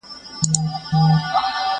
زه به سبا لوبه کوم!؟